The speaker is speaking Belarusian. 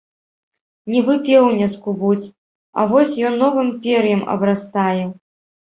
Нібы пеўня скубуць, а вось ён новым пер'ем абрастае.